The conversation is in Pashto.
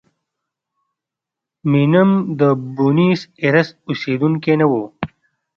مینم د بونیس ایرس اوسېدونکی نه و.